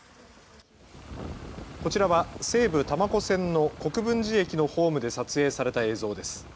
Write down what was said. こちらは西武多摩湖線の国分寺駅のホームで撮影された映像です。